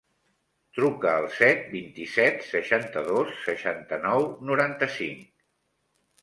Truca al set, vint-i-set, seixanta-dos, seixanta-nou, noranta-cinc.